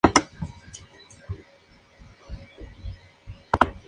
Los trabajos que ejecutó durante la pensión se consideraron en Madrid como modelos.